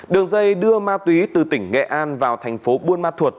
đường dây đưa ma túy từ tỉnh nghệ an vào thành phố buôn ma thuột